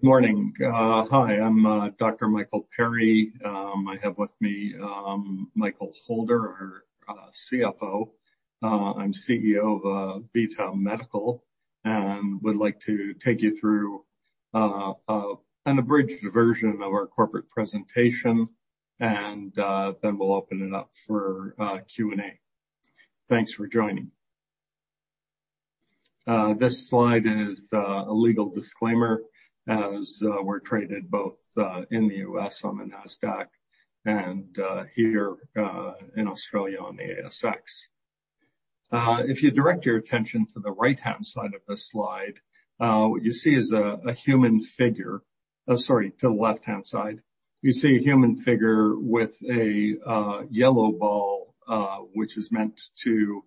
Morning. Hi, I'm Dr. Michael Perry. I have with me Michael Holder, our CFO. I'm CEO of AVITA Medical, and would like to take you through an abridged version of our corporate presentation, and then we'll open it up for Q&A. Thanks for joining. This slide is a legal disclaimer, as we're traded both in the U.S. on the Nasdaq and here in Australia on the ASX. If you direct your attention to the right-hand side of this slide, what you see is a human figure. Sorry, to the left-hand side. You see a human figure with a yellow ball, which is meant to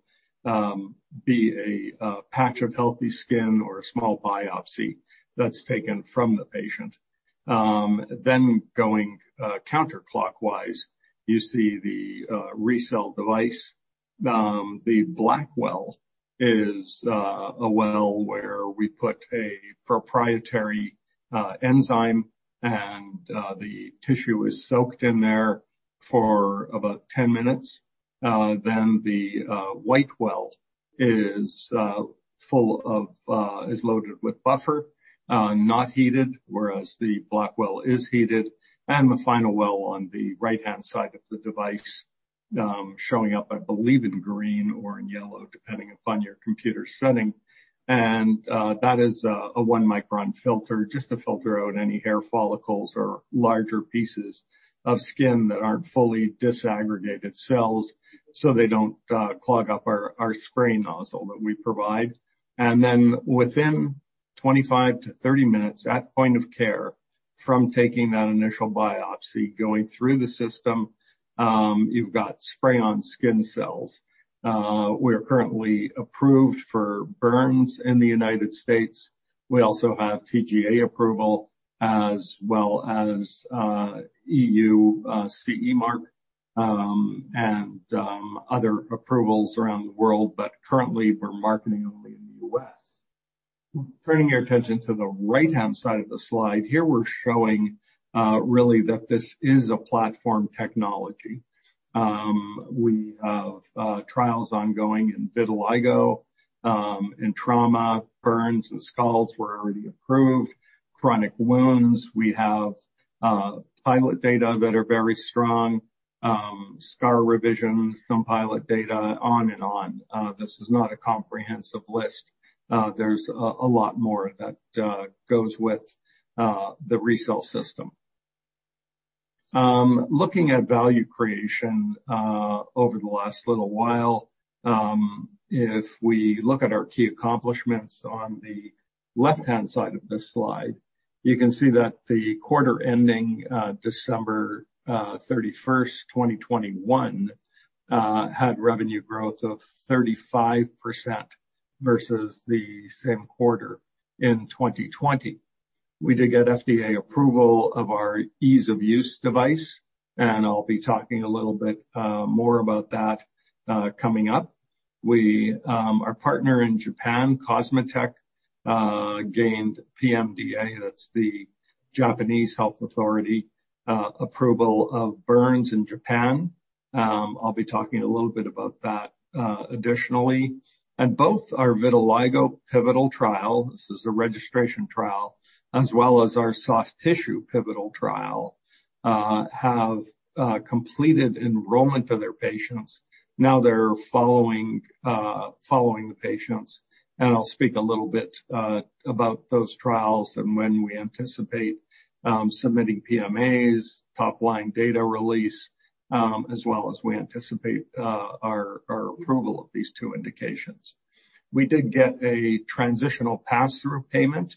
be a patch of healthy skin or a small biopsy that's taken from the patient. Going counterclockwise, you see the RECELL device. The black well is a well where we put a proprietary enzyme and the tissue is soaked in there for about 10 minutes. The white well is loaded with buffer, not heated, whereas the black well is heated. The final well on the right-hand side of the device, showing up, I believe in green or in yellow, depending upon your computer setting. That is a 1-micron filter, just to filter out any hair follicles or larger pieces of skin that aren't fully disaggregated cells, so they don't clog up our spray nozzle that we provide. Within 25-30 minutes at point of care from taking that initial biopsy, going through the system, you've got spray-on skin cells. We're currently approved for burns in the United States. We also have TGA approval as well as EU CE mark and other approvals around the world. Currently, we're marketing only in the U.S. Turning your attention to the right-hand side of the slide, here we're showing really that this is a platform technology. We have trials ongoing in vitiligo, in trauma, burns and scalds were already approved. Chronic wounds, we have pilot data that are very strong. Scar revision, some pilot data, on and on. This is not a comprehensive list. There's a lot more that goes with the RECELL system. Looking at value creation over the last little while, if we look at our key accomplishments on the left-hand side of this slide, you can see that the quarter ending December 31, 2021, had revenue growth of 35% versus the same quarter in 2020. We did get FDA approval of our ease-of-use device, and I'll be talking a little bit more about that coming up. Our partner in Japan, COSMOTEC, gained PMDA, that's the Japanese health authority, approval of burns in Japan. I'll be talking a little bit about that additionally. Both our vitiligo pivotal trial, this is a registration trial, as well as our soft tissue pivotal trial, have completed enrollment of their patients. Now they're following the patients. I'll speak a little bit about those trials and when we anticipate submitting PMAs, top-line data release, as well as we anticipate our approval of these two indications. We did get a transitional pass-through payment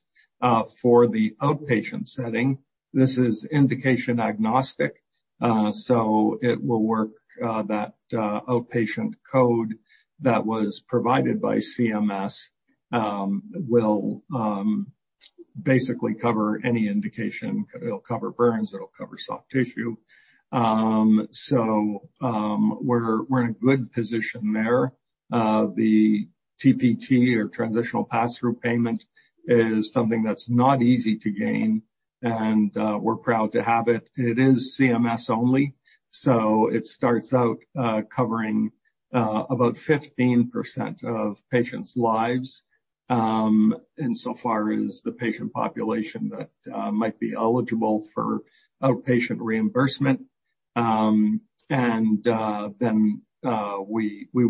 for the outpatient setting. This is indication agnostic, so it will work, that outpatient code that was provided by CMS will basically cover any indication. It'll cover burns, it'll cover soft tissue. We're in a good position there. The c is something that's not easy to gain, and we're proud to have it. It is CMS only, so it starts out covering about 15% of patients' lives, insofar as the patient population that might be eligible for outpatient reimbursement. We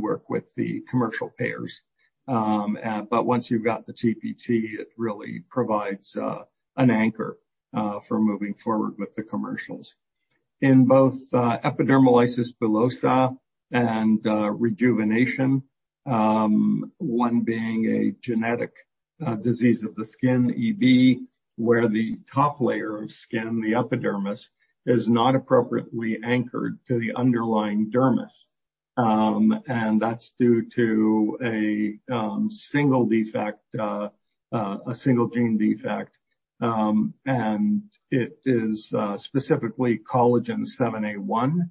work with the commercial payers. Once you've got the TPT, it really provides an anchor for moving forward with the commercials. In both epidermolysis bullosa and rejuvenation, one being a genetic disease of the skin, EB, where the top layer of skin, the epidermis, is not appropriately anchored to the underlying dermis. That's due to a single gene defect. It is specifically collagen VII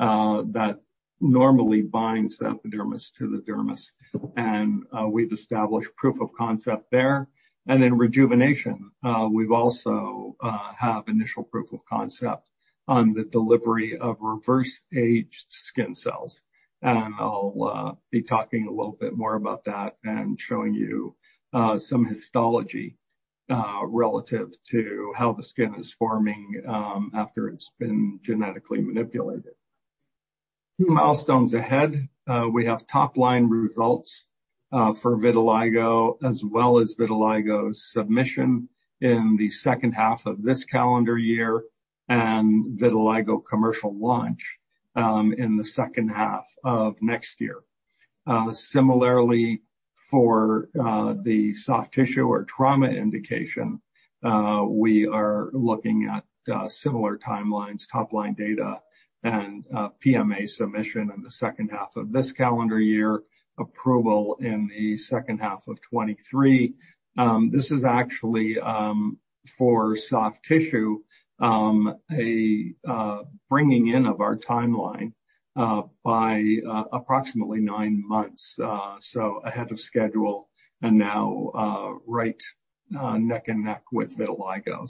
A1 that normally binds the epidermis to the dermis. We've established proof of concept there. In rejuvenation, we've also have initial proof of concept on the delivery of reverse aged skin cells. I'll be talking a little bit more about that and showing you some histology relative to how the skin is forming after it's been genetically manipulated. Two milestones ahead, we have top-line results for vitiligo as well as vitiligo submission in the second half of this calendar year and vitiligo commercial launch in the second half of next year. Similarly for the soft tissue or trauma indication, we are looking at similar timelines, top-line data and PMA submission in the second half of this calendar year, approval in the second half of 2023. This is actually for soft tissue, bringing in of our timeline by approximately nine months, so ahead of schedule and now right neck and neck with vitiligo.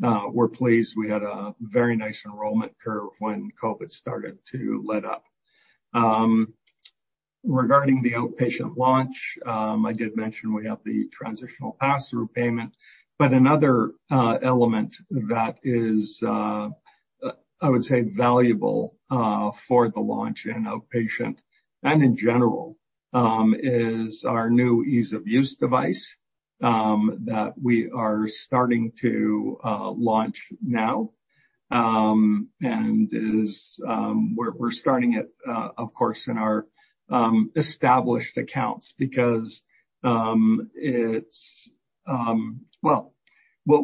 We're pleased we had a very nice enrollment curve when COVID started to let up. Regarding the outpatient launch, I did mention we have the transitional pass-through payment, but another element that is, I would say valuable, for the launch in outpatient and in general, is our new ease-of-use device that we are starting to launch now. We're starting it, of course, in our established accounts because we'll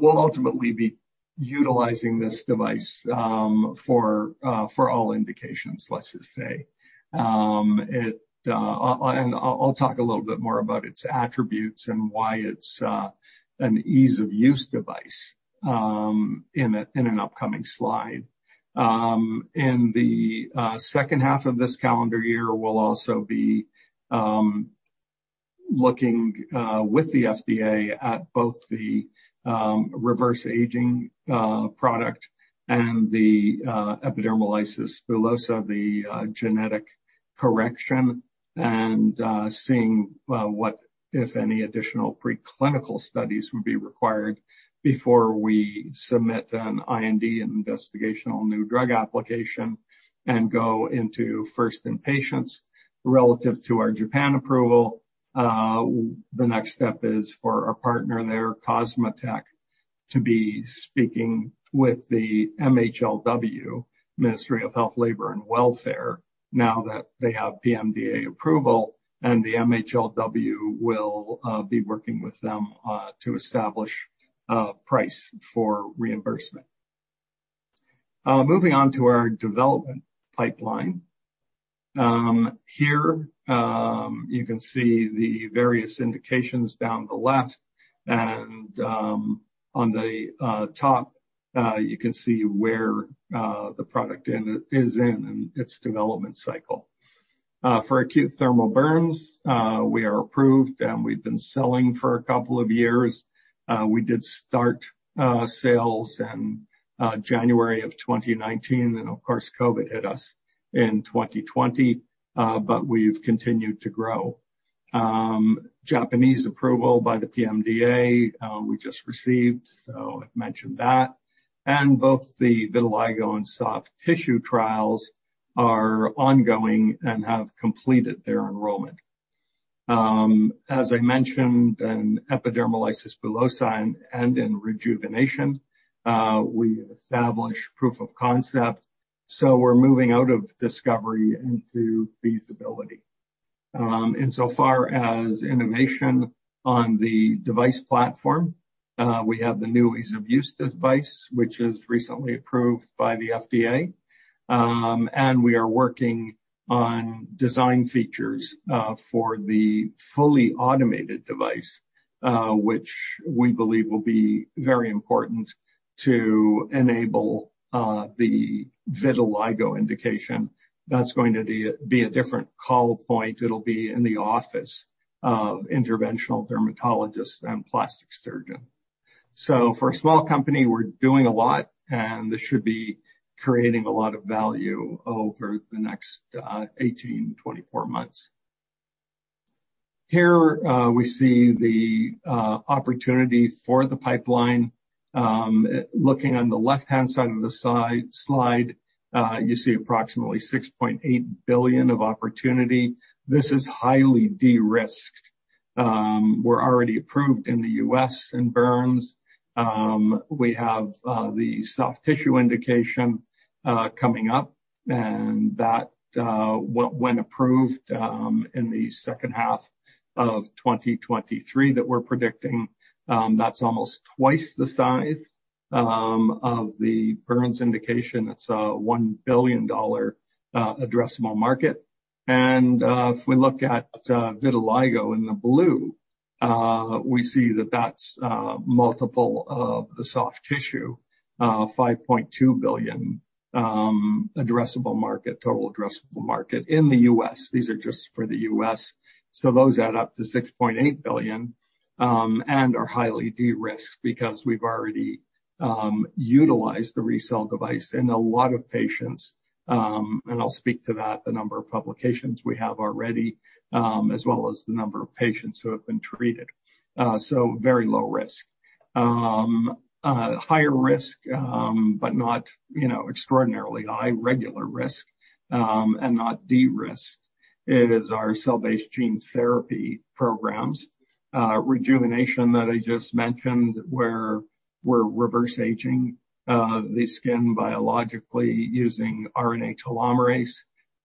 ultimately be utilizing this device for all indications, let's just say. I'll talk a little bit more about its attributes and why it's an ease-of-use device in an upcoming slide. In the second half of this calendar year, we'll also be looking with the FDA at both the reverse aging product and the epidermolysis bullosa genetic correction, and seeing what, if any, additional preclinical studies would be required before we submit an IND, Investigational New Drug application, and go into first in patients. Relative to our Japan approval, the next step is for our partner there, COSMOTEC, to be speaking with the MHLW, Ministry of Health, Labor and Welfare, now that they have PMDA approval, and the MHLW will be working with them to establish a price for reimbursement. Moving on to our development pipeline. Here, you can see the various indications down the left and, on the top, you can see where the product is in its development cycle. For acute thermal burns, we are approved, and we've been selling for a couple of years. We did start sales in January of 2019, and of course, COVID hit us in 2020, but we've continued to grow. Japanese approval by the PMDA, we just received, so I've mentioned that. Both the vitiligo and soft tissue trials are ongoing and have completed their enrollment. As I mentioned, in epidermolysis bullosa and in rejuvenation, we established proof of concept, so we're moving out of discovery into feasibility. Insofar as innovation on the device platform, we have the new ease-of-use device, which is recently approved by the FDA. We are working on design features for the fully automated device, which we believe will be very important to enable the vitiligo indication. That's going to be a different call point. It'll be in the office of interventional dermatologists and plastic surgeon. For a small company, we're doing a lot, and this should be creating a lot of value over the next 18-24 months. Here, we see the opportunity for the pipeline. Looking on the left-hand side of the slide, you see approximately $6.8 billion of opportunity. This is highly de-risked. We're already approved in the U.S. in burns. We have the soft tissue indication coming up, and that, when approved in the second half of 2023 that we're predicting, that's almost twice the size of the burns indication; it's a $1 billion addressable market. If we look at vitiligo in the blue, we see that that's multiple of the soft tissue, $5.2 billion addressable market, total addressable market in the U.S. These are just for the U.S. Those add up to $6.8 billion and are highly de-risked because we've already utilized the RECELL device in a lot of patients. I'll speak to that, the number of publications we have already, as well as the number of patients who have been treated. Very low risk. Higher risk, but not, you know, extraordinarily high, regular risk, and not de-risked is our cell-based gene therapy programs. Rejuvenation that I just mentioned, where we're reverse aging the skin biologically using RNA telomerase.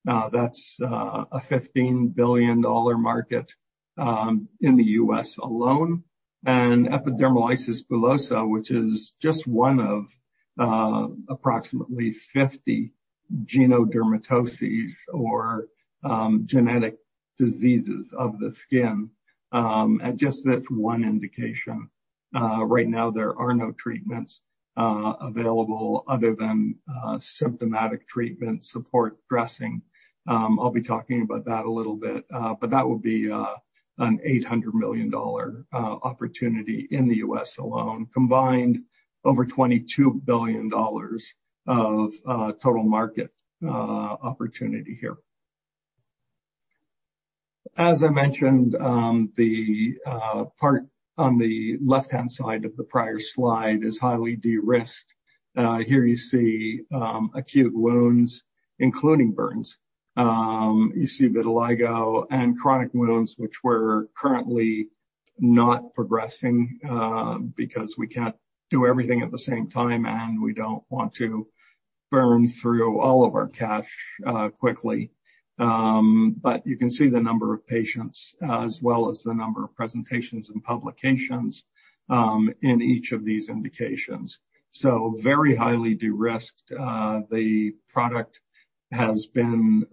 That's a $15 billion market in the U.S. alone. Epidermolysis bullosa, which is just one of approximately 50 genodermatoses or genetic diseases of the skin, and just that's one indication. Right now, there are no treatments available other than symptomatic treatment, support dressing. I'll be talking about that a little bit, but that would be an $800 million opportunity in the U.S. alone, combined over $22 billion of total market opportunity here. As I mentioned, the part on the left-hand side of the prior slide is highly de-risked. Here you see acute wounds, including burns. You see vitiligo and chronic wounds which we're currently not progressing, because we can't do everything at the same time, and we don't want to burn through all of our cash quickly. But you can see the number of patients as well as the number of presentations and publications in each of these indications. So very highly de-risked. The product has been,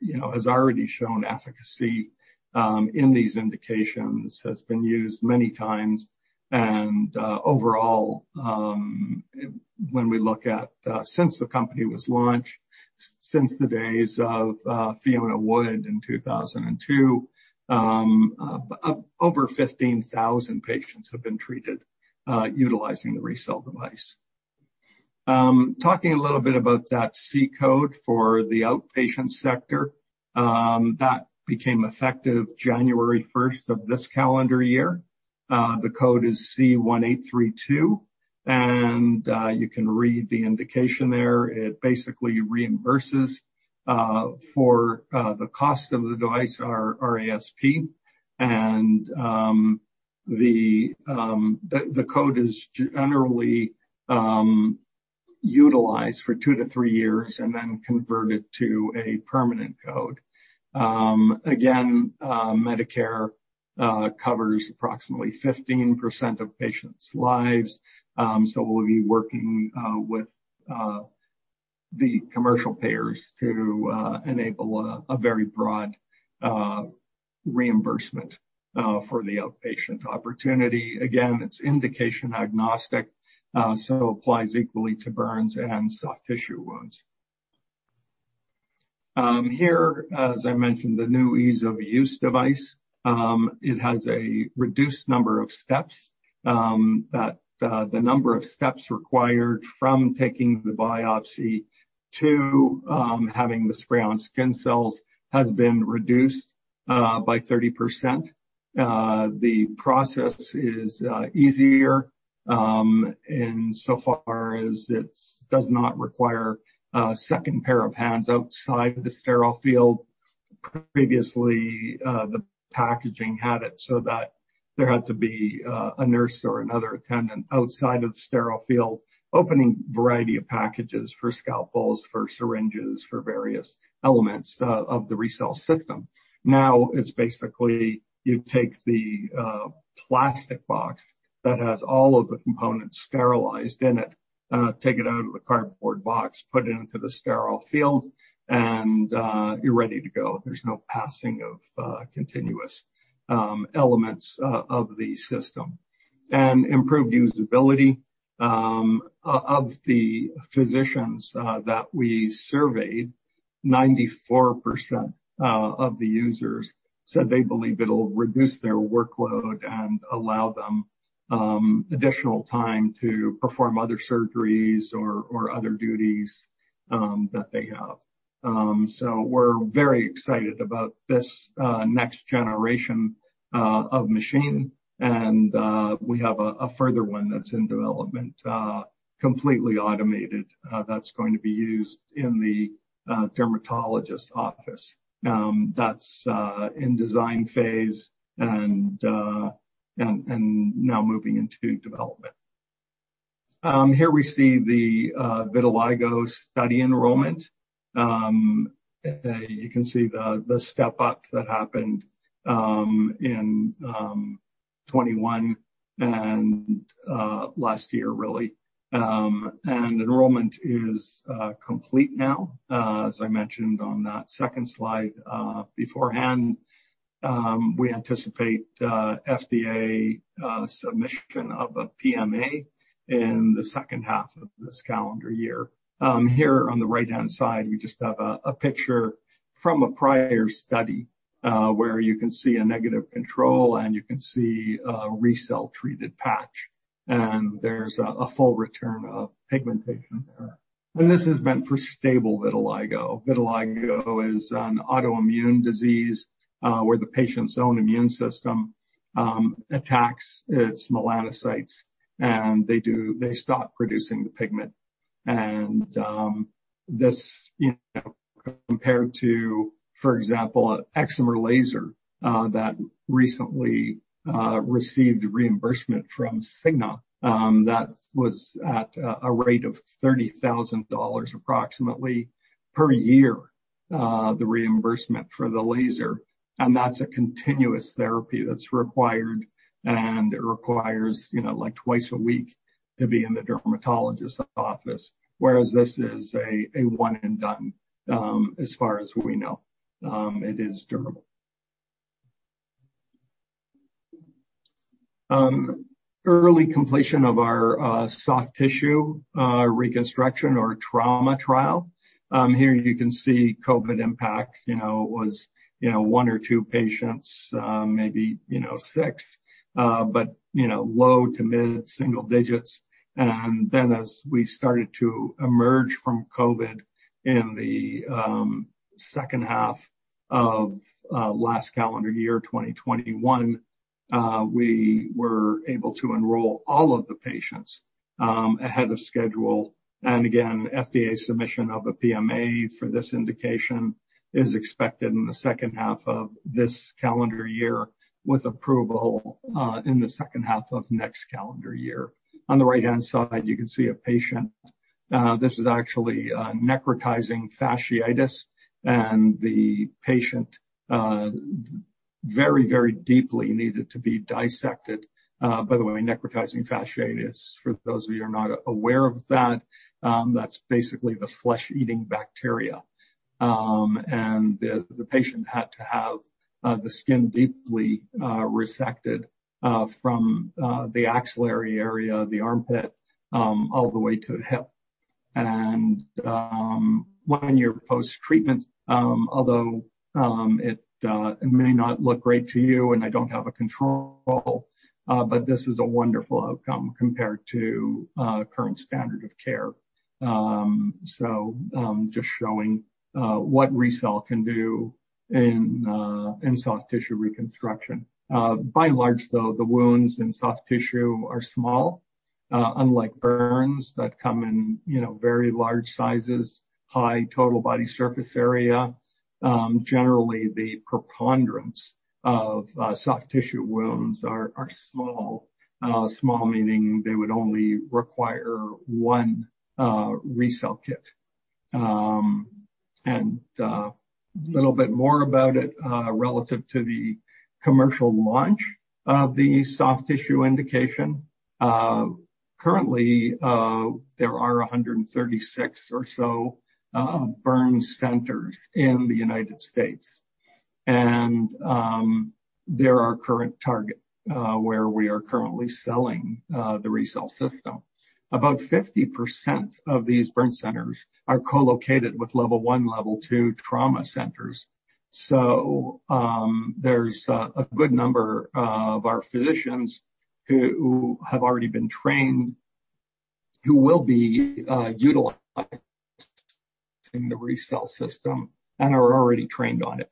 you know, has already shown efficacy in these indications, has been used many times. Overall, when we look at since the company was launched, since the days of Fiona Wood in 2002, over 15,000 patients have been treated utilizing the RECELL device. Talking a little bit about that C code for the outpatient sector, that became effective January 1st of this calendar year. The code is C1832, and you can read the indication there. It basically reimburses for the cost of the device, our ASP. The code is generally utilized for two to three years and then converted to a permanent code. Again, Medicare covers approximately 15% of patients' lives. We'll be working with the commercial payers to enable a very broad reimbursement for the outpatient opportunity. Again, it's indication agnostic, so applies equally to burns and soft tissue wounds. Here, as I mentioned, the new ease of use device. It has a reduced number of steps that the number of steps required from taking the biopsy to having the spray on skin cells has been reduced by 30%. The process is easier insofar as it does not require a second pair of hands outside the sterile field. Previously, the packaging had it so that there had to be a nurse or another attendant outside of the sterile field opening variety of packages for scalpels, for syringes, for various elements of the RECELL system. Now it's basically you take the plastic box that has all of the components sterilized in it, take it out of the cardboard box, put it into the sterile field, and you're ready to go. There's no passing of continuous elements of the system. Improved usability. Of the physicians that we surveyed, 94% of the users said they believe it'll reduce their workload and allow them additional time to perform other surgeries or other duties that they have. We're very excited about this next generation of machine. We have a further one that's in development, completely automated, that's going to be used in the dermatologist office. That's in design phase and now moving into development. Here we see the vitiligo study enrollment. You can see the step-up that happened in 2021 and last year really. Enrollment is complete now, as I mentioned on that second slide beforehand. We anticipate FDA submission of a PMA in the second half of this calendar year. Here on the right-hand side, we just have a picture from a prior study, where you can see a negative control, and you can see a RECELL treated patch, and there's a full return of pigmentation there. This is meant for stable vitiligo. Vitiligo is an autoimmune disease, where the patient's own immune system attacks its melanocytes, and they stop producing the pigment. This, you know, compared to, for example, excimer laser, that recently received reimbursement from Cigna, that was at a rate of $30,000 approximately per year, the reimbursement for the laser. That's a continuous therapy that's required, and it requires, you know, like twice a week to be in the dermatologist office, whereas this is a one and done. As far as we know, it is durable. Early completion of our soft tissue reconstruction or trauma trial. Here you can see COVID impact, you know, was one or two patients, maybe, you know, six, but, you know, low to mid single digits. As we started to emerge from COVID in the second half of last calendar year, 2021, we were able to enroll all of the patients ahead of schedule. Again, FDA submission of a PMA for this indication is expected in the second half of this calendar year with approval in the second half of next calendar year. On the right-hand side, you can see a patient. This is actually necrotizing fasciitis. The patient very, very deeply needed to be dissected. By the way, necrotizing fasciitis, for those of you who are not aware of that's basically the flesh-eating bacteria. The patient had to have the skin deeply resected from the axillary area, the armpit, all the way to the hip. One-year post-treatment, although it may not look great to you, and I don't have a control, but this is a wonderful outcome compared to current standard of care. Just showing what RECELL can do in soft tissue reconstruction. By and large, though, the wounds in soft tissue are small, unlike burns that come in, you know, very large sizes, high total body surface area. Generally, the preponderance of soft tissue wounds are small. Small meaning they would only require one RECELL kit. Little bit more about it relative to the commercial launch of the soft tissue indication. Currently, there are 136 or so burn centers in the United States. They're our current target where we are currently selling the RECELL system. About 50% of these burn centers are co-located with level one, level two trauma centers. There's a good number of our physicians who have already been trained, who will be utilizing the RECELL system and are already trained on it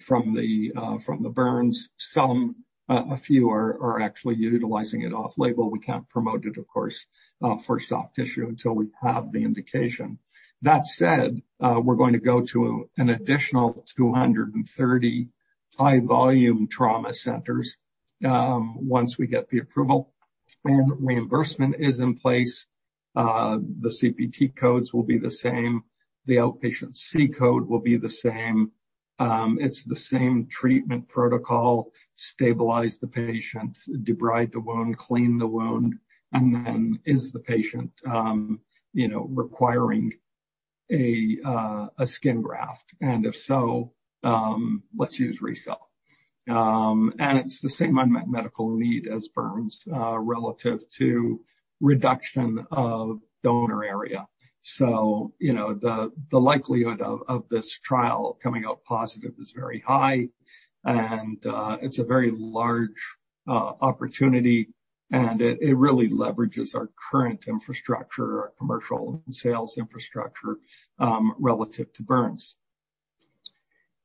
from the burns. Some a few are actually utilizing it off-label. We can't promote it, of course, for soft tissue until we have the indication. That said, we're going to go to an additional 230 high-volume trauma centers once we get the approval. When reimbursement is in place, the CPT codes will be the same, the outpatient C code will be the same. It's the same treatment protocol, stabilize the patient, debride the wound, clean the wound, and then is the patient you know requiring a skin graft? If so, let's use RECELL. It's the same unmet medical need as burns, relative to reduction of donor area. You know, the likelihood of this trial coming out positive is very high, and it's a very large opportunity, and it really leverages our current infrastructure, our commercial and sales infrastructure, relative to burns.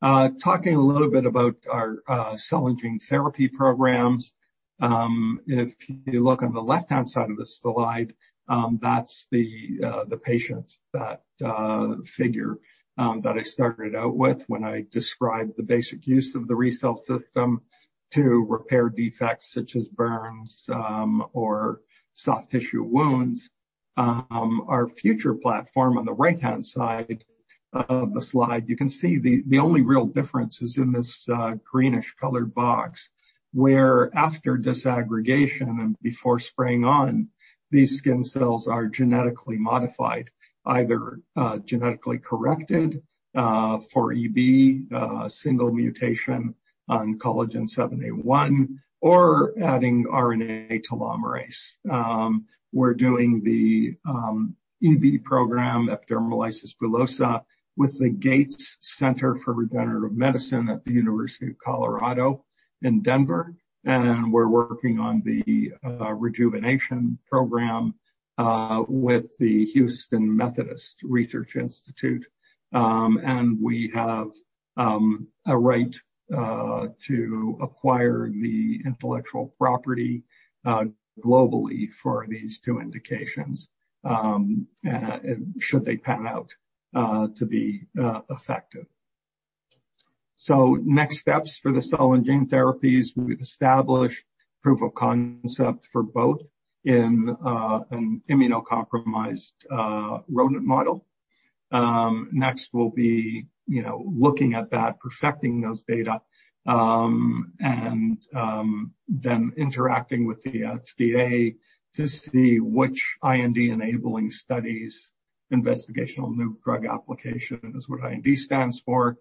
Talking a little bit about our cell and gene therapy programs, if you look on the left-hand side of this slide, that's the patient, that figure that I started out with when I described the basic use of the RECELL system to repair defects such as burns, or soft tissue wounds. Our future platform on the right-hand side of the slide, you can see the only real difference is in this greenish colored box, where after disaggregation and before spraying on, these skin cells are genetically modified, either genetically corrected for EB, single mutation on collagen VII A1 or adding RNA telomerase. We're doing the EB program, epidermolysis bullosa, with the Gates Center for Regenerative Medicine at the University of Colorado in Denver, and we're working on the rejuvenation program with the Houston Methodist Research Institute. We have a right to acquire the intellectual property globally for these two indications, should they pan out to be effective. Next steps for the cell and gene therapies, we've established proof of concept for both in an immunocompromised rodent model. Next we'll be, you know, looking at that, perfecting those data, and then interacting with the FDA to see which IND-enabling studies, investigational new drug application is what IND stands for,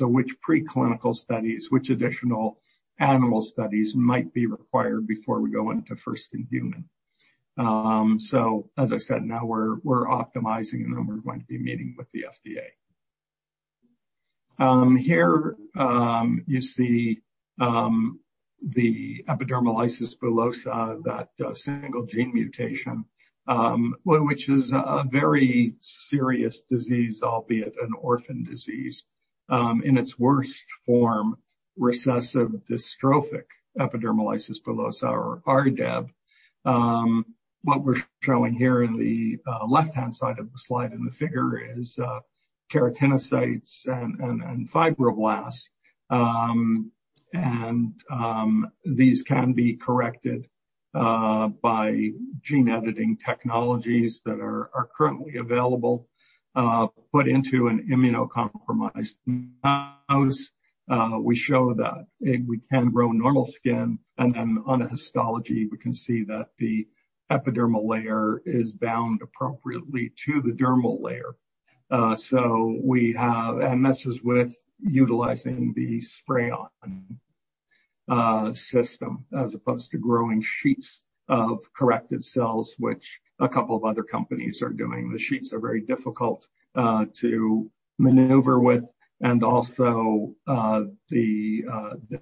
which preclinical studies, which additional animal studies might be required before we go into first in human. As I said, now we're optimizing, and then we're going to be meeting with the FDA. Here, you see, the epidermolysis bullosa, that single gene mutation, well, which is a very serious disease, albeit an orphan disease, in its worst form, recessive dystrophic epidermolysis bullosa or RDEB. What we're showing here in the left-hand side of the slide in the figure is keratinocytes and fibroblasts. These can be corrected by gene editing technologies that are currently available, put into an immunocompromised mouse. We show that we can grow normal skin, and then on a histology, we can see that the epidermal layer is bound appropriately to the dermal layer. This is with utilizing the spray on system as opposed to growing sheets of corrected cells, which a couple of other companies are doing. The sheets are very difficult to maneuver with, and also, the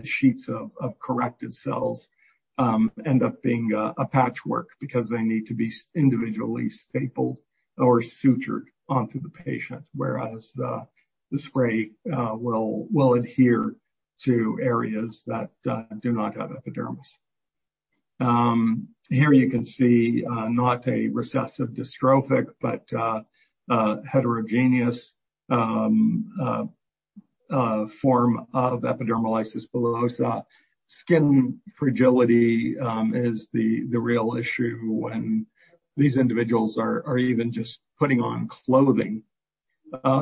sheets of corrected cells end up being a patchwork because they need to be individually stapled or sutured onto the patient, whereas the spray will adhere to areas that do not have epidermis. Here you can see not a recessive dystrophic, but a heterogeneous form of epidermolysis bullosa. Skin fragility is the real issue when these individuals are even just putting on clothing,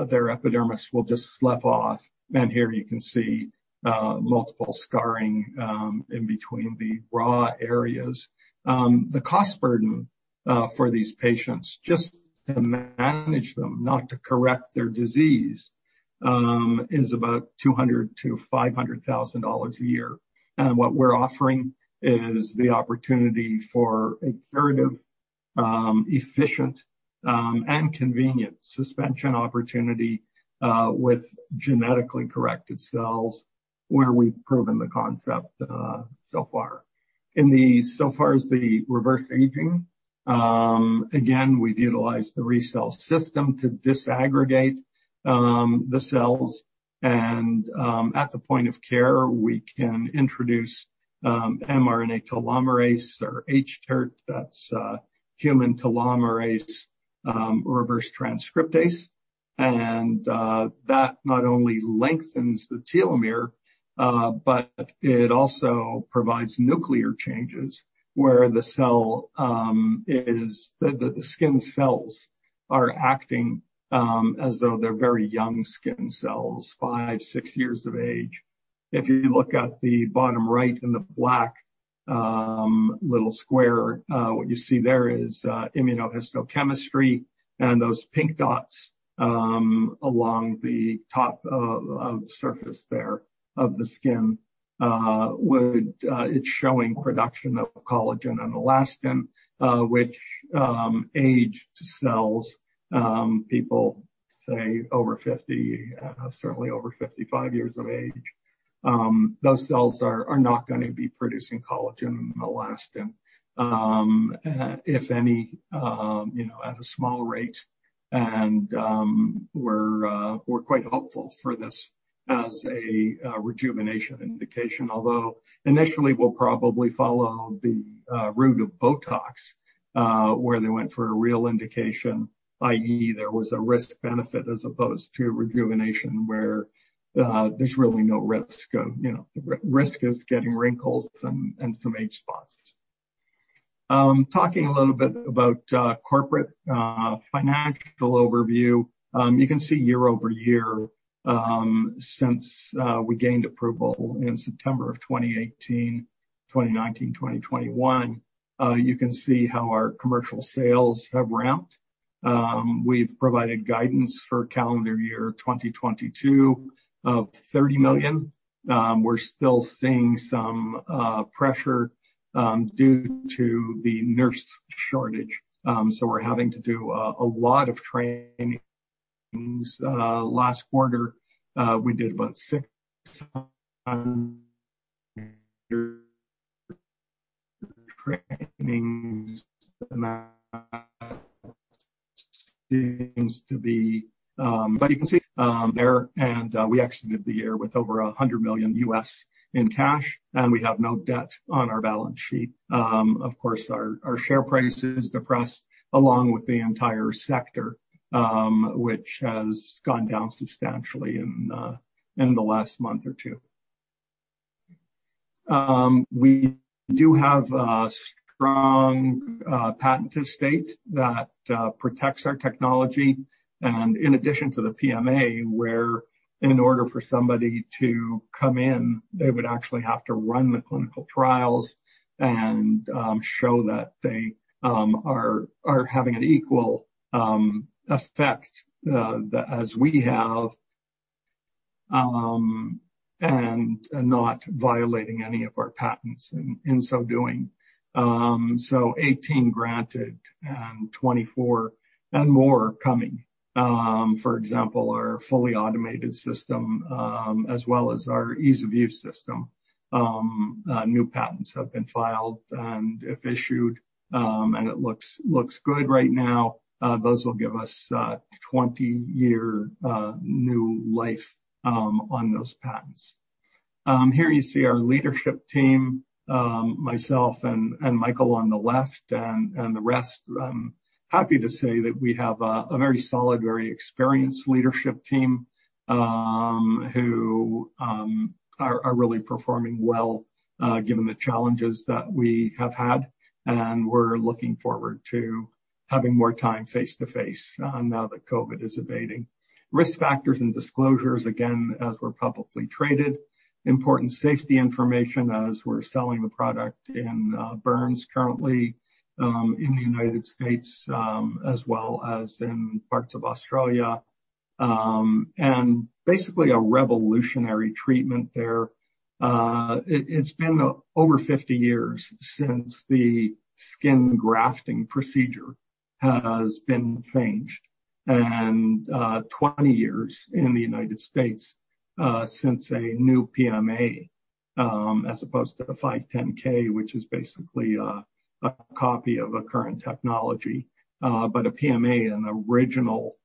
their epidermis will just slough off. Here you can see multiple scarring in between the raw areas. The cost burden for these patients just to manage them, not to correct their disease, is about $200,000-$500,000 a year. What we're offering is the opportunity for a curative, efficient, and convenient suspension opportunity with genetically corrected cells where we've proven the concept so far. So far as the reverse aging, again, we've utilized the RECELL system to disaggregate the cells. At the point of care, we can introduce mRNA telomerase or hTERT, that's human telomerase reverse transcriptase. That not only lengthens the telomere but it also provides nuclear changes where the skin cells are acting as though they're very young skin cells, five, six years of age. If you look at the bottom right in the black little square, what you see there is immunohistochemistry, and those pink dots along the top of the surface there of the skin, it's showing production of collagen and elastin, which aged cells, people say over 50, certainly over 55 years of age, those cells are not gonna be producing collagen and elastin. If any, you know, at a small rate. We're quite hopeful for this as a rejuvenation indication. Although initially, we'll probably follow the route of Botox, where they went for a real indication, i.e., there was a risk-benefit, as opposed to rejuvenation, where there's really no risk. You know, the risk is getting wrinkles and some age spots. Talking a little bit about corporate financial overview. You can see year-over-year, since we gained approval in September of 2018, 2019, 2021, you can see how our commercial sales have ramped. We've provided guidance for calendar year 2022 of $30 million. We're still seeing some pressure due to the nurse shortage. We're having to do a lot of trainings. Last quarter we did about 600 trainings. Seems to be, but you can see there, and we exited the year with over $100 million in cash, and we have no debt on our balance sheet. Of course, our share price is depressed along with the entire sector, which has gone down substantially in the last month or two. We do have a strong patent estate that protects our technology and in addition to the PMA, where in order for somebody to come in, they would actually have to run the clinical trials and show that they are having an equal effect as we have. And not violating any of our patents in so doing. So 18 granted and 24 and more coming. For example, our fully automated system, as well as our ease-of-use system. New patents have been filed and if issued, and it looks good right now, those will give us 20-year new life on those patents. Here you see our leadership team, myself and Michael on the left and the rest. Happy to say that we have a very solid, very experienced leadership team who are really performing well, given the challenges that we have had, and we're looking forward to having more time face-to-face, now that COVID is abating. Risk factors and disclosures, again, as we're publicly traded. Important safety information as we're selling the product in burns currently in the United States as well as in parts of Australia, and basically a revolutionary treatment there. It's been over 50 years since the skin grafting procedure has been changed and 20 years in the United States since a new PMA, as opposed to a 510(k), which is basically a copy of a current technology. A PMA, an original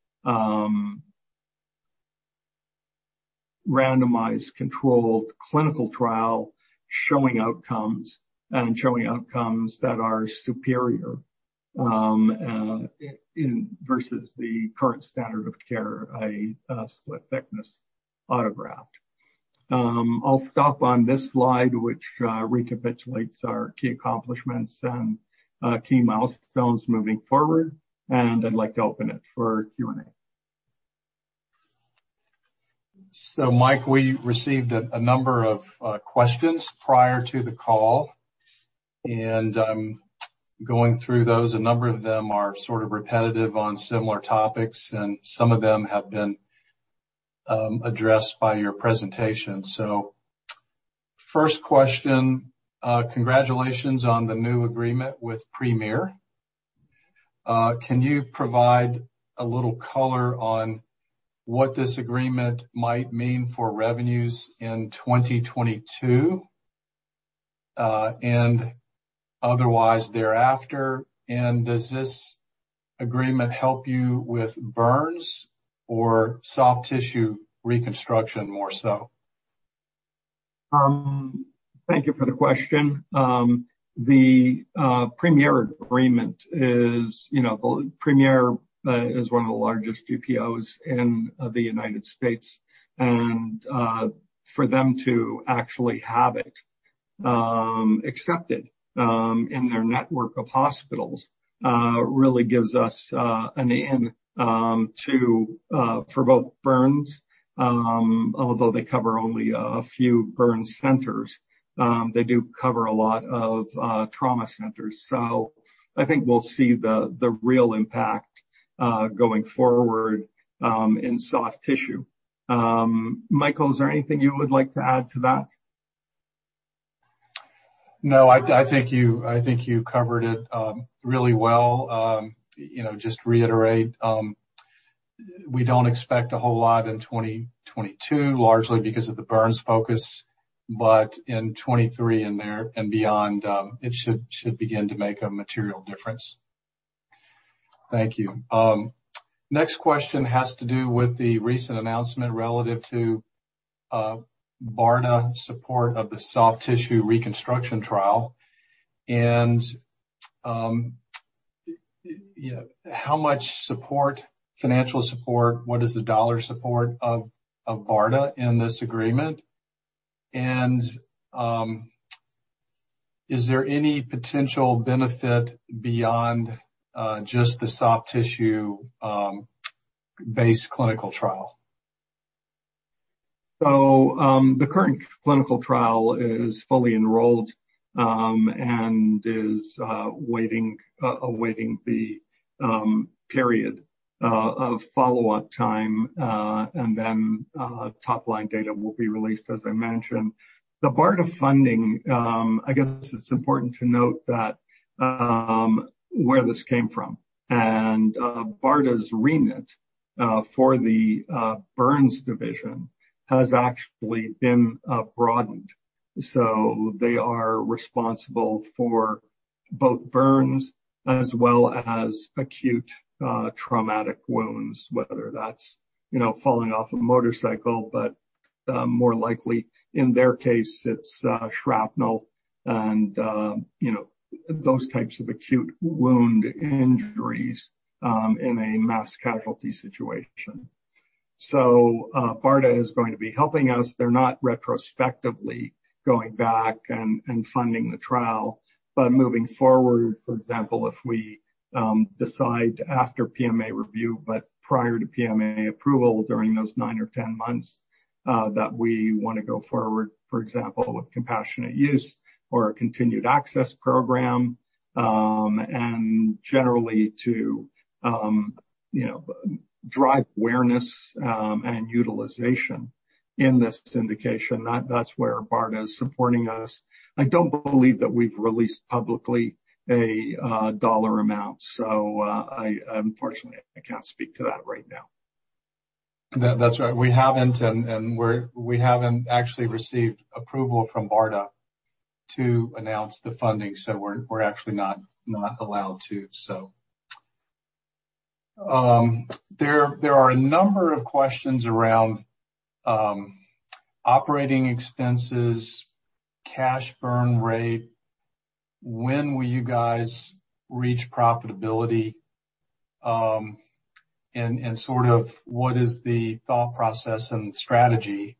randomized controlled clinical trial showing outcomes that are superior versus the current standard of care, a split-thickness autograft. I'll stop on this slide, which recapitulates our key accomplishments and key milestones moving forward, and I'd like to open it for Q&A. Mike, we received a number of questions prior to the call, and I'm going through those. A number of them are sort of repetitive on similar topics, and some of them have been addressed by your presentation. First question, congratulations on the new agreement with Premier. Can you provide a little color on what this agreement might mean for revenues in 2022 and otherwise thereafter? And does this agreement help you with burns or soft tissue reconstruction more so? Thank you for the question. The Premier agreement is, you know, Premier is one of the largest GPOs in the U.S., and for them to actually have it accepted in their network of hospitals really gives us an in to for both burns, although they cover only a few burn centers, they do cover a lot of trauma centers. I think we'll see the real impact going forward in soft tissue. Michael, is there anything you would like to add to that? No, I think you covered it really well. You know, just to reiterate, we don't expect a whole lot in 2022, largely because of the burns focus. In 2023 and thereafter and beyond, it should begin to make a material difference. Thank you. Next question has to do with the recent announcement relative to BARDA support of the soft tissue reconstruction trial and you know, how much support, financial support, what is the dollar support of BARDA in this agreement. And is there any potential benefit beyond just the soft tissue-based clinical trial. The current clinical trial is fully enrolled, and is awaiting the period of follow-up time, and then top line data will be released, as I mentioned. The BARDA funding, I guess it's important to note that, where this came from, and BARDA's remit for the burns division has actually been broadened. They are responsible for both burns as well as acute traumatic wounds, whether that's, you know, falling off a motorcycle, but more likely in their case it's shrapnel and, you know, those types of acute wound injuries in a mass casualty situation. BARDA is going to be helping us. They're not retrospectively going back and funding the trial. Moving forward, for example, if we decide after PMA review but prior to PMA approval, during those nine or 10 months, that we wanna go forward, for example, with compassionate use or a continued access program, and generally to, you know, drive awareness, and utilization in this indication. That's where BARDA is supporting us. I don't believe that we've released publicly a dollar amount, so, I unfortunately can't speak to that right now. That's right. We haven't actually received approval from BARDA to announce the funding, so we're actually not allowed to. There are a number of questions around operating expenses, cash burn rate. When will you guys reach profitability? Sort of what is the thought process and strategy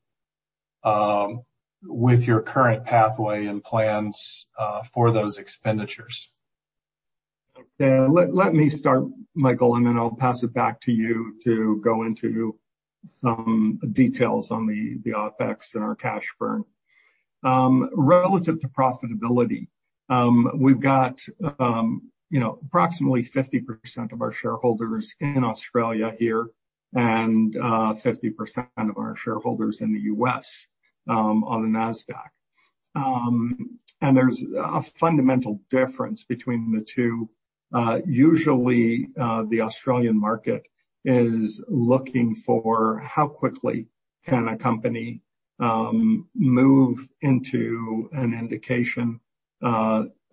with your current pathway and plans for those expenditures? Yeah. Let me start, Michael, and then I'll pass it back to you to go into some details on the OpEx and our cash burn. Relative to profitability, we've got, you know, approximately 50% of our shareholders in Australia here and 50% of our shareholders in the U.S., on the Nasdaq. There's a fundamental difference between the two. Usually, the Australian market is looking for how quickly can a company move into an indication,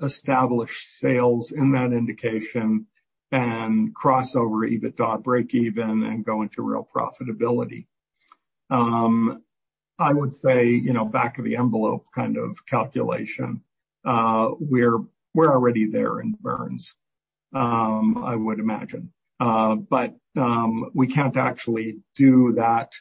establish sales in that indication and cross over EBITDA, break even and go into real profitability. I would say, you know, back of the envelope kind of calculation, we're already there in burns, I would imagine. We can't actually do that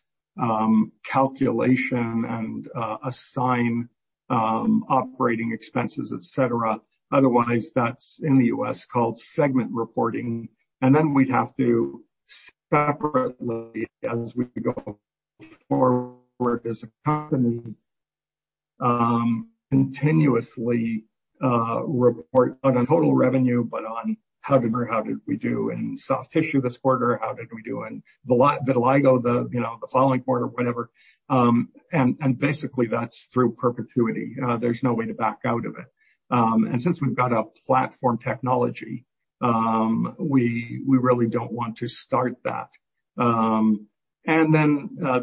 calculation and assign operating expenses, et cetera. Otherwise, that's in the U.S. called segment reporting. We'd have to separately, as we go forward as a company, continuously report on our total revenue, but on how did we do in soft tissue this quarter? How did we do in vitiligo, you know, the following quarter, whatever. Basically that's in perpetuity. There's no way to back out of it. The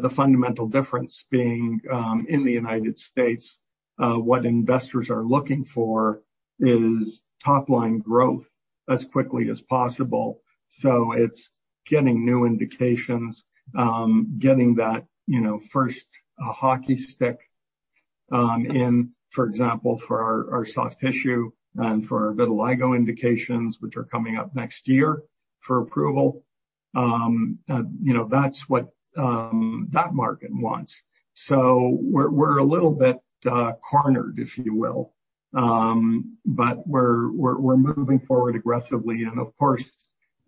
fundamental difference being in the United States, what investors are looking for is top line growth as quickly as possible. It's getting new indications, getting that, you know, first hockey stick, in, for example, for our soft tissue and for vitiligo indications which are coming up next year for approval. You know, that's what that market wants. We're moving forward aggressively and of course,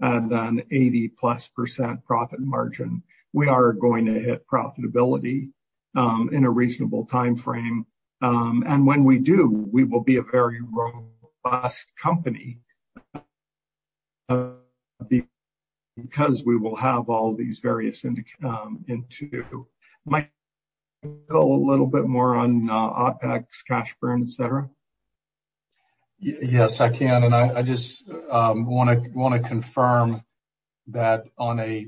at an 80%+ profit margin. We are going to hit profitability in a reasonable timeframe. When we do, we will be a very robust company because we will have all these various indications. Michael, a little bit more on OpEx, cash burn, et cetera. Yes, I can. I just want to confirm that on a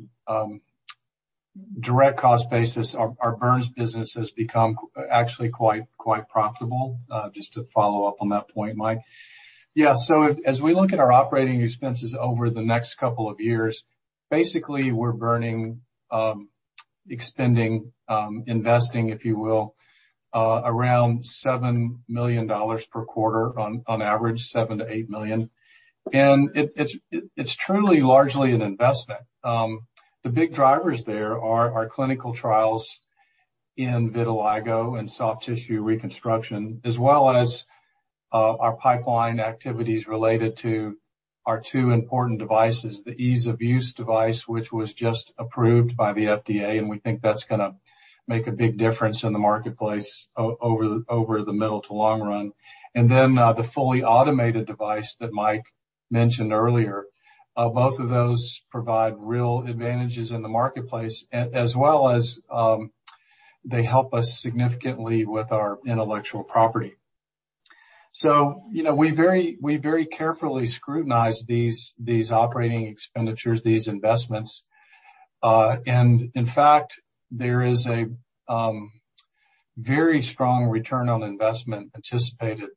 direct cost basis, our burns business has become actually quite profitable. Just to follow up on that point, Mike. Yeah. As we look at our operating expenses over the next couple of years, basically we're investing, if you will, around $7 million per quarter on average $7 million-$8 million. It's truly largely an investment. The big drivers there are our clinical trials in vitiligo and soft tissue reconstruction, as well as our pipeline activities related to our two important devices, the ease of use device, which was just approved by the FDA, and we think that's gonna make a big difference in the marketplace over the middle to long run. The fully automated device that Mike mentioned earlier. Both of those provide real advantages in the marketplace as well as they help us significantly with our intellectual property. You know, we very carefully scrutinize these operating expenditures, these investments. In fact, there is a very strong return on investment anticipated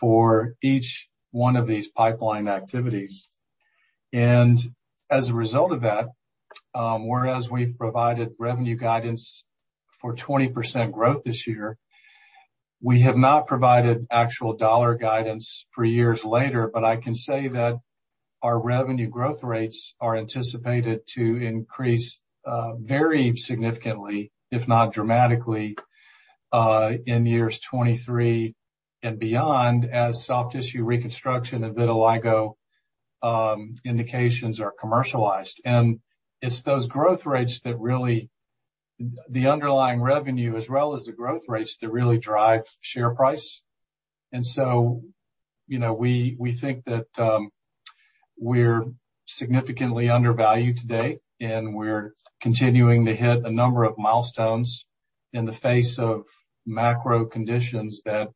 for each one of these pipeline activities. As a result of that, whereas we've provided revenue guidance for 20% growth this year, we have not provided actual dollar guidance for years later, but I can say that our revenue growth rates are anticipated to increase very significantly, if not dramatically, in years 2023 and beyond as soft tissue reconstruction and vitiligo indications are commercialized. It's the underlying revenue as well as the growth rates that really drive share price. You know, we think that we're significantly undervalued today, and we're continuing to hit a number of milestones in the face of macro conditions that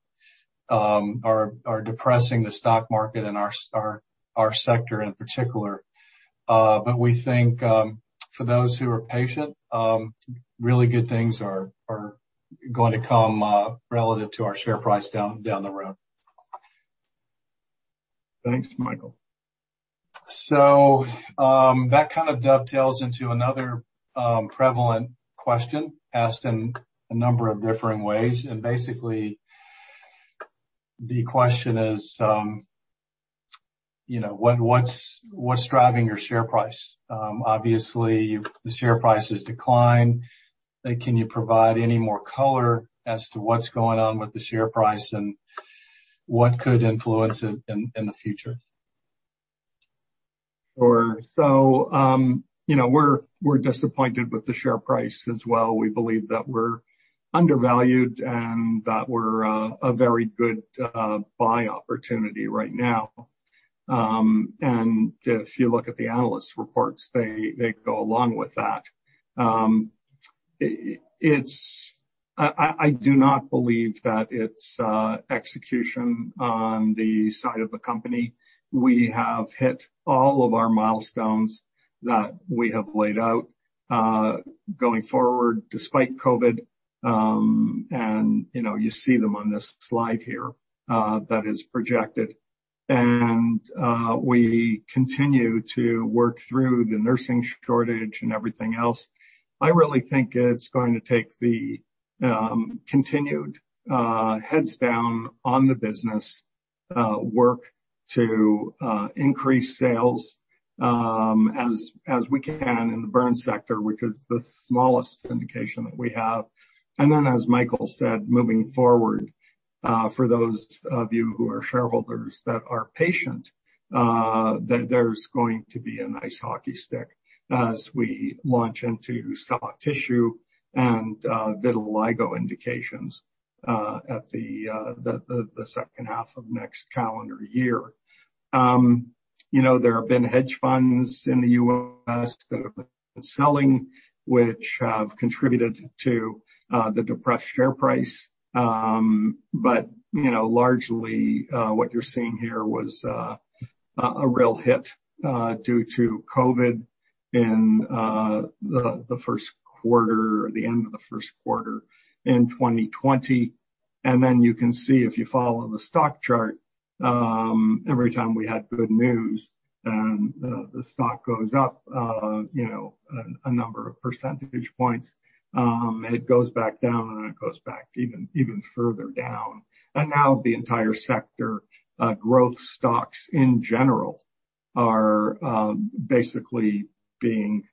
are depressing the stock market and our sector in particular. We think for those who are patient, really good things are going to come relative to our share price down the road. Thanks, Michael. That kind of dovetails into another prevalent question asked in a number of different ways. Basically, the question is, you know, what's driving your share price? Obviously, the share price has declined. Can you provide any more color as to what's going on with the share price and what could influence it in the future? Sure. You know, we're disappointed with the share price as well. We believe that we're undervalued and that we're a very good buy opportunity right now. If you look at the analyst reports, they go along with that. I do not believe that it's execution on the side of the company. We have hit all of our milestones that we have laid out going forward despite COVID. You know, you see them on this slide here that is projected. We continue to work through the nursing shortage and everything else. I really think it's going to take the continued heads down on the business work to increase sales as we can in the burn sector, which is the smallest indication that we have. As Michael said, moving forward, for those of you who are shareholders that are patient, that there's going to be a nice hockey stick as we launch into soft tissue and vitiligo indications at the second half of next calendar year. You know, there have been hedge funds in the U.S. that have been selling, which have contributed to the depressed share price. You know, largely, what you're seeing here was a real hit due to COVID in the first quarter or the end of the first quarter in 2020. You can see if you follow the stock chart, every time we had good news and the stock goes up, you know, a number of percentage points, it goes back down, and then it goes back even further down. Now the entire sector, growth stocks in general are basically being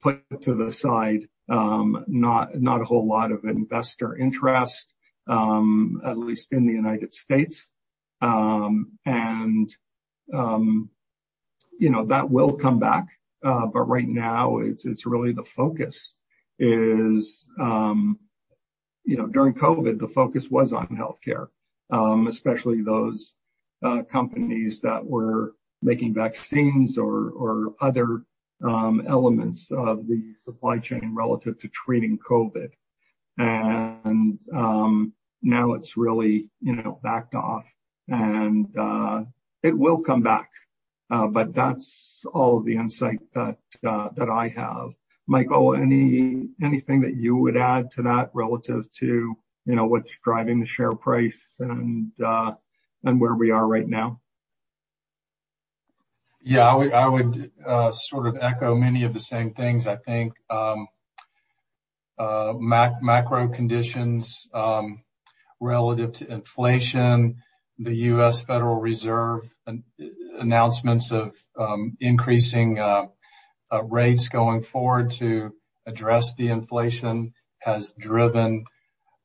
put to the side. Not a whole lot of investor interest, at least in the United States. You know, that will come back. Right now it's really the focus is, you know, during COVID, the focus was on healthcare, especially those companies that were making vaccines or other elements of the supply chain relative to treating COVID. Now it's really, you know, backed off and it will come back. That's all the insight that I have. Michael, anything that you would add to that relative to, you know, what's driving the share price and where we are right now? Yeah. I would sort of echo many of the same things. I think macro conditions relative to inflation, the U.S. Federal Reserve announcements of increasing rates going forward to address the inflation has driven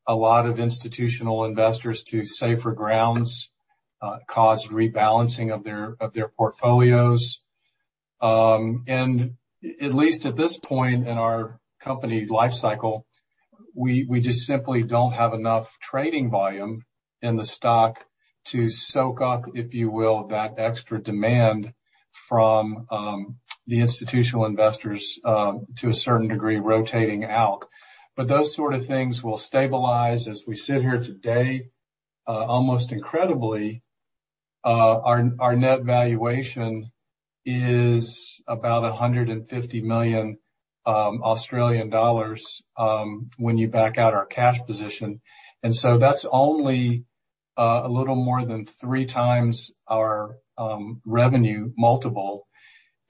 a lot of institutional investors to safer grounds, caused rebalancing of their portfolios. And at least at this point in our company lifecycle, we just simply don't have enough trading volume in the stock to soak up, if you will, that extra demand from the institutional investors to a certain degree, rotating out. Those sort of things will stabilize. As we sit here today, almost incredibly, our net valuation is about 150 million Australian dollars when you back out our cash position. That's only a little more than 3x our revenue multiple.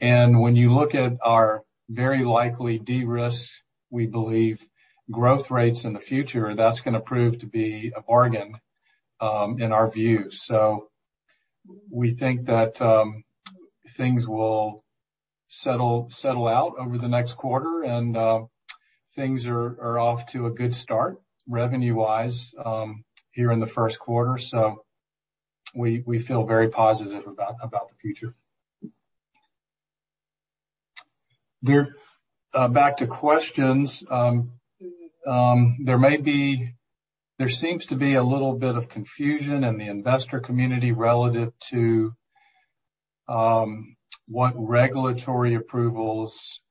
When you look at our very likely de-risk, we believe growth rates in the future, that's gonna prove to be a bargain in our view. We think that things will settle out over the next quarter. Things are off to a good start revenue-wise here in the first quarter. We feel very positive about the future. Back to questions. There seems to be a little bit of confusion in the investor community relative to what regulatory approvals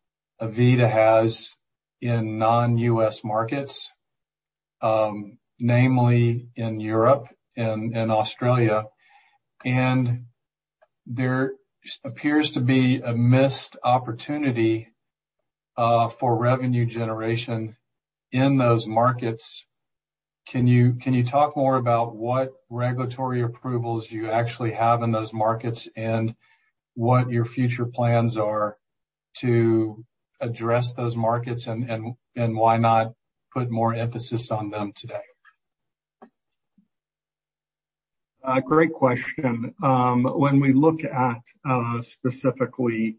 AVITA has in non-U.S. markets, namely in Europe and in Australia. There appears to be a missed opportunity for revenue generation in those markets. Can you talk more about what regulatory approvals you actually have in those markets and what your future plans are to address those markets, and why not put more emphasis on them today? A great question. When we look at specifically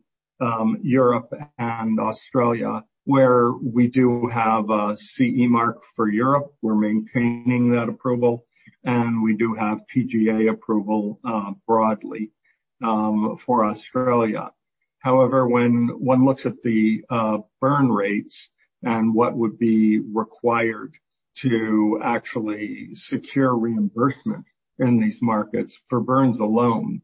Europe and Australia, where we do have a CE mark for Europe, we're maintaining that approval, and we do have TGA approval broadly for Australia. However, when one looks at the burn rates and what would be required to actually secure reimbursement in these markets for burns alone,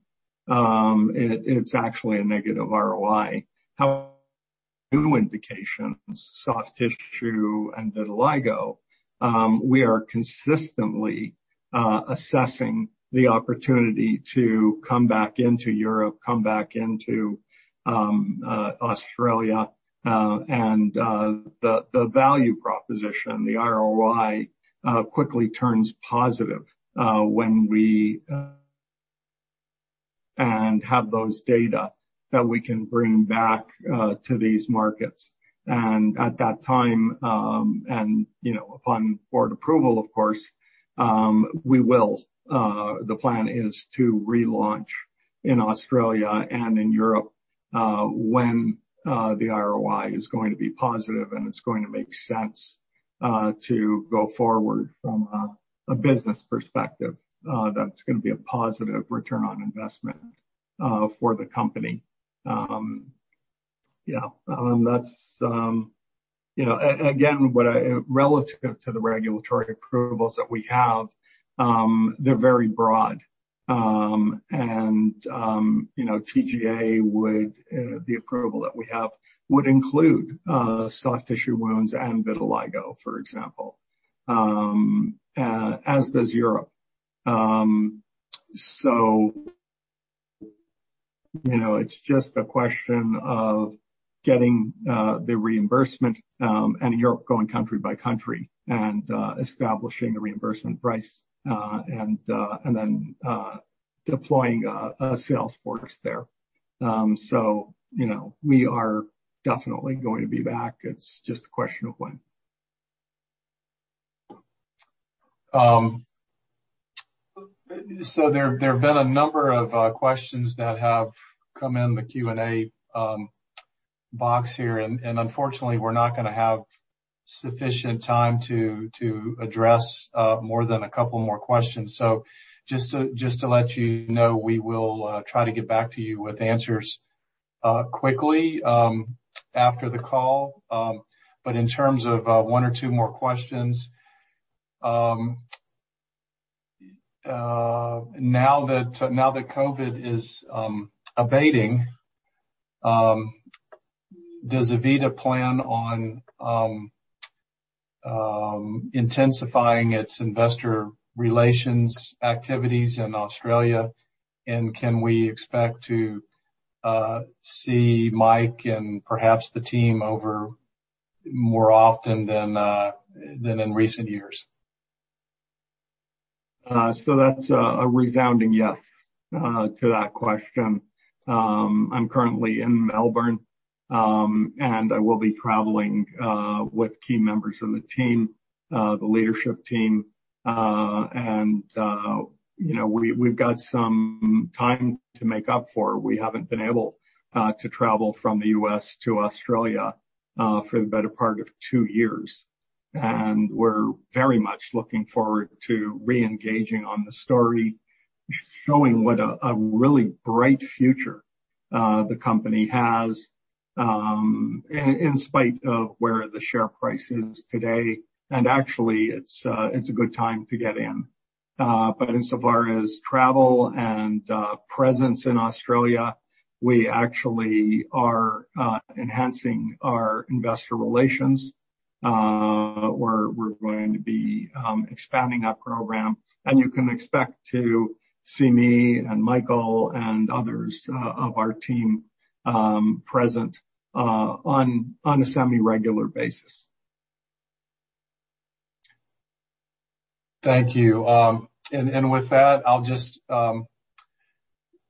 it's actually a negative ROI. However, new indications, soft tissue and vitiligo, we are consistently assessing the opportunity to come back into Europe, come back into Australia. The value proposition, the ROI quickly turns positive when we have those data that we can bring back to these markets. At that time, you know, upon board approval, of course, the plan is to relaunch in Australia and in Europe when the ROI is going to be positive and it's going to make sense to go forward from a business perspective. That's gonna be a positive return on investment for the company. Yeah. That's, you know, again, relative to the regulatory approvals that we have, they're very broad. You know, the TGA approval that we have would include soft tissue wounds and vitiligo, for example, as does Europe. You know, it's just a question of getting the reimbursement and Europe going country by country and establishing the reimbursement price and then deploying a sales force there. You know, we are definitely going to be back. It's just a question of when. So there have been a number of questions that have come in the Q&A box here, and unfortunately, we're not gonna have sufficient time to address more than a couple more questions. Just to let you know, we will try to get back to you with answers quickly after the call. But in terms of one or two more questions, now that COVID is abating, does AVITA plan on intensifying its investor relations activities in Australia? Can we expect to see Mike and perhaps the team over more often than in recent years? That's a resounding yes to that question. I'm currently in Melbourne, and I will be traveling with key members of the team, the leadership team. You know, we've got some time to make up for. We haven't been able to travel from the U.S. to Australia for the better part of two years. We're very much looking forward to re-engaging on the story, showing what a really bright future the company has in spite of where the share price is today. Actually, it's a good time to get in. Insofar as travel and presence in Australia, we actually are enhancing our investor relations. We're going to be expanding our program, and you can expect to see me and Michael and others of our team present on a semi-regular basis. Thank you. With that, I'll just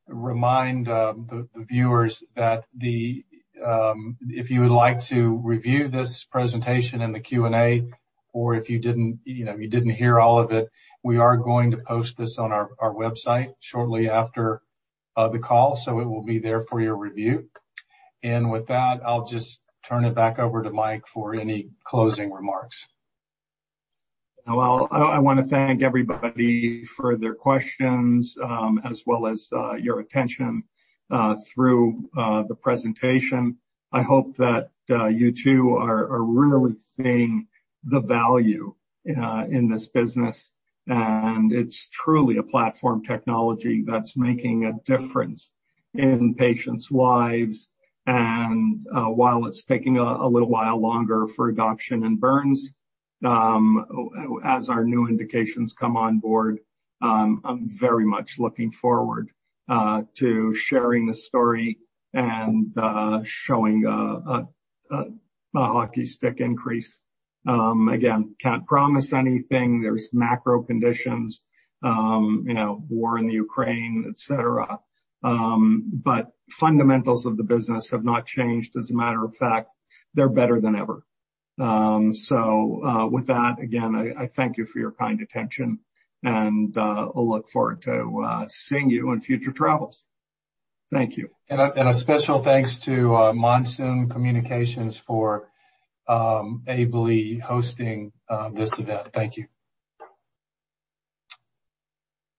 remind the viewers that if you would like to review this presentation in the Q&A or if you didn't, you know, you didn't hear all of it, we are going to post this on our website shortly after the call, so it will be there for your review. With that, I'll just turn it back over to Mike for any closing remarks. Well, I wanna thank everybody for their questions, as well as your attention through the presentation. I hope that you too are really seeing the value in this business. It's truly a platform technology that's making a difference in patients' lives. While it's taking a little while longer for adoption in burns, as our new indications come on board, I'm very much looking forward to sharing the story and showing a hockey stick increase. Again, can't promise anything. There's macro conditions, you know, war in the Ukraine, et cetera. Fundamentals of the business have not changed. As a matter of fact, they're better than ever. With that, again, I thank you for your kind attention, and we'll look forward to seeing you on future travels. Thank you. A special thanks to Monsoon Communications for ably hosting this event. Thank you.